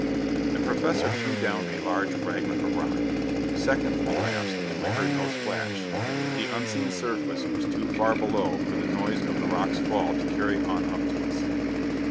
The Professor threw down a large fragment of rock. Seconds elapsed and we heard no splash. The unseen surface was too far below for the noise of the rock's fall to carry on up to us.